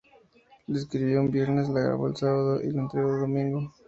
La escribió un viernes, la grabó el sábado y la entregó el domingo.